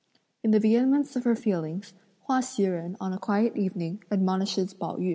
In the vehemence of her feelings, Hua (Hsi Jen) on a quiet evening admonishes Pao yü.